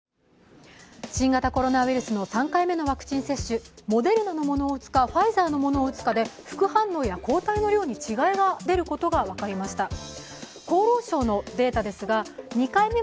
新型コロナウイルスの３回目のワクチン接種モデルナのものを打つか、ファイザーのものを打つかで副反応や抗体の量に違いが出ることが分かりました。